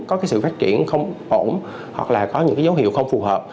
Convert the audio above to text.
có cái sự phát triển không ổn hoặc là có những dấu hiệu không phù hợp